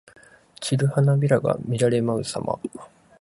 散る花びらが乱れ舞うさま。